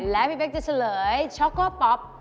และพี่เป๊กจะเฉลยช็อกโกป๊อป